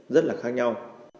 rất là khác nhau